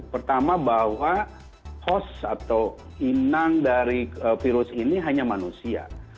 pertama bahwa host atau inang dari virus ini hanya manusia